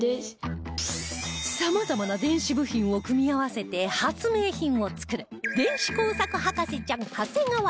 さまざまな電子部品を組み合わせて発明品を作る電子工作博士ちゃん長谷川弓